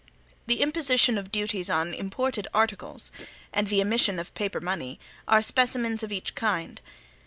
The imposition of duties on imported articles, and the emission of paper money, are specimens of each kind.